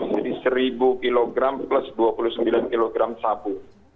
jadi seribu kg plus dua puluh sembilan kg sabu